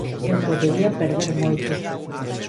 Eu podería perder moito.